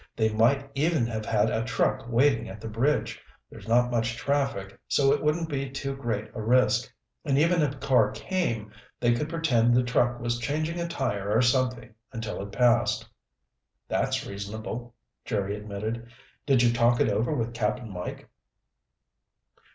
"They might even have had a truck waiting at the bridge. There's not much traffic, so it wouldn't be too great a risk. And even if a car came, they could pretend the truck was changing a tire or something until it passed." "That's reasonable," Jerry admitted. "Did you talk it over with Cap'n Mike?"